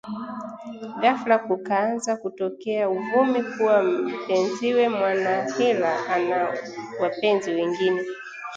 Ghafla kukaanza kutokea uvumi kuwa mpenziwe Mwanahila ana wapenzi wengine